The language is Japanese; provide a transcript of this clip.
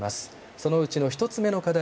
そのうちの１つ目の課題